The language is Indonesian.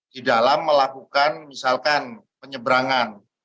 di dalam melakukan misalkan penyeberangan